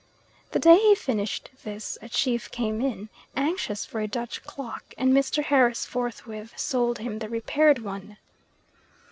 The day he finished this a chief came in, anxious for a Dutch clock, and Mr. Harris forthwith sold him the repaired one.